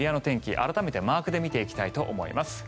改めてマークで見ていきたいと思います。